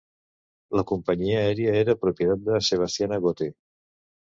La companyia aèria era propietat de Sebastian Agote.